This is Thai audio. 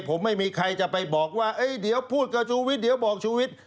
ผมไม่มีใครจะไปบอกว่าเดี๋ยวพูดกับชูวิทย์เดี๋ยวบอกชูวิทย์